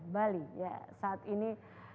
bali saat ini